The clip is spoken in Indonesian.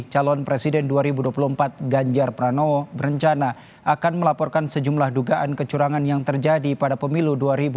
calon presiden dua ribu dua puluh empat ganjar pranowo berencana akan melaporkan sejumlah dugaan kecurangan yang terjadi pada pemilu dua ribu dua puluh